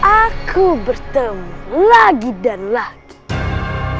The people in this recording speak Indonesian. aku bertemu lagi dan lagi